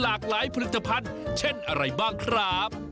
หลากหลายผลิตภัณฑ์เช่นอะไรบ้างครับ